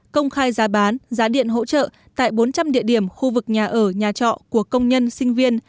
công khai giá bán giá điện hỗ trợ tại bốn trăm linh địa điểm khu vực nhà ở nhà trọ của công nhân sinh viên